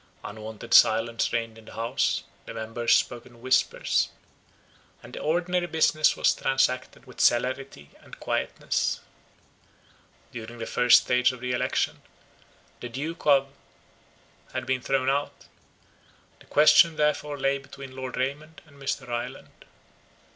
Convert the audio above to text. Unwonted silence reigned in the house, the members spoke in whispers, and the ordinary business was transacted with celerity and quietness. During the first stage of the election, the Duke of——had been thrown out; the question therefore lay between Lord Raymond and Mr. Ryland.